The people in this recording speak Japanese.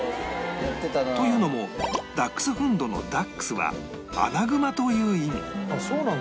というのもダックスフンドの「ダックス」は「アナグマ」という意味